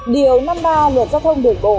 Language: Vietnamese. điều năm mươi ba luật giao thông đường bộ